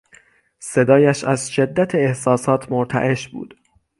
صدایش از شدت احساسات مرتعش بود.